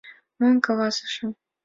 — Мом каласышым?